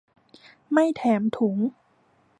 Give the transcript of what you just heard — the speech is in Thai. ไม่แถมถุง